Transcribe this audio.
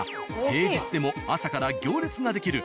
平日でも朝から行列が出来る